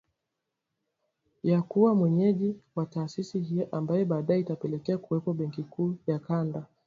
ya kuwa mwenyeji wa taasisi hiyo ambayo baadae itapelekea kuwepo Benki Kuu ya kanda